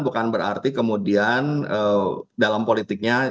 bukan berarti kemudian dalam politiknya